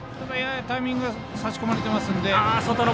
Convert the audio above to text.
タイミングは差し込まれています。